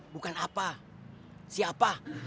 bukan apa siapa